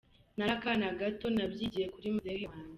Nari akana gato, nabyigiye kuri muzehe wanjye.